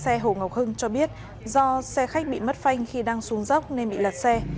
xe hồ ngọc hưng cho biết do xe khách bị mất phanh khi đang xuống dốc nên bị lật xe